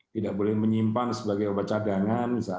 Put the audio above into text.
tidak boleh menyimpan sebagai obat cadangan